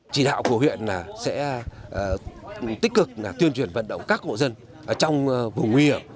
chỉ đạo của huyện là sẽ tích cực tuyên truyền vận động các hộ dân trong vùng nguy hiểm